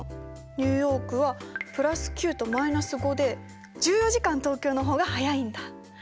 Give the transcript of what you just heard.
ニューヨークは＋９と−５で１４時間東京の方が早いんだ。